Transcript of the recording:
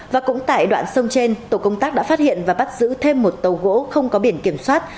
và cũng tại đoạn sông trên tổ công tác đã phát hiện và bắt giữ thêm một tàu gỗ không có biển kiểm soát